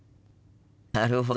なるほど。